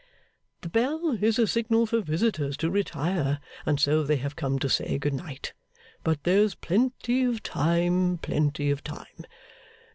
The bell is a signal for visitors to retire, and so they have come to say good night; but there is plenty of time, plenty of time.